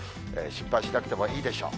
心配しなくてもいいでしょう。